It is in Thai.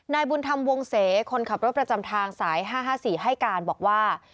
บุญธรรมวงเสคนขับรถประจำทางสาย๕๕๔ให้การบอกว่า